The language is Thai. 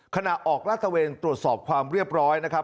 ขณะออกลาดตะเวนตรวจสอบความเรียบร้อยนะครับ